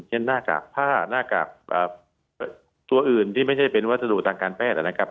หน้ากากผ้าหน้ากากตัวอื่นที่ไม่ใช่เป็นวัสดุทางการแพทย์นะครับ